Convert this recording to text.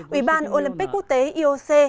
ủy ban olympic quốc tế ioc